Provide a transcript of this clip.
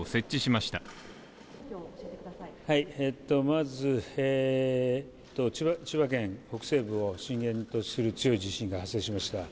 まず、千葉県北西部を震源とする強い地震が発生しました。